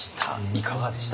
いかがでした？